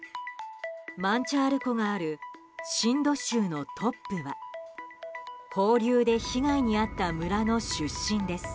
マンチャール湖があるシンド州のトップは放流で被害に遭った村の出身です。